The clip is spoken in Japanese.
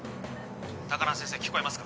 高輪先生聞こえますか？